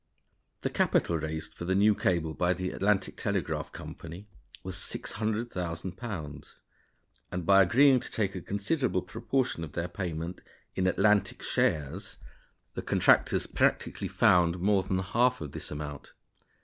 The capital raised for the new cable by the Atlantic Telegraph Company was £600,000; and, by agreeing to take a considerable proportion of their payment in "Atlantic" shares, the contractors practically found more than half of this amount.